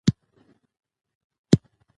تودوخه د افغانستان په طبیعت کې مهم رول لري.